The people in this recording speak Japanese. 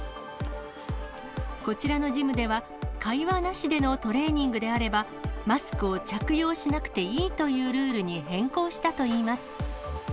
こちらのジムでは、会話なしでのトレーニングであれば、マスクを着用しなくていいというルールに変更したといいます。